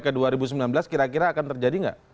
ke dua ribu sembilan belas kira kira akan terjadi nggak